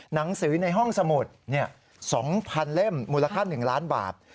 หนังสือในห้องสมุด๒๐๐เล่มมูลค่า๑ล้านบาท